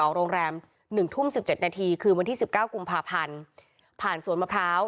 โรงแรมหนึ่งทุ่มสิบเจ็ดนาทีคือวันที่สิบเก้ากุมภาพันธ์ผ่านสวนมะพร้าว